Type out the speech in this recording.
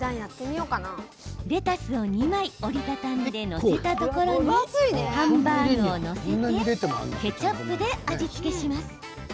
レタスを２枚折り畳んで載せたところにハンバーグを載せてケチャップで味付けします。